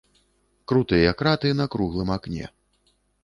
Кутыя краты на круглым акне.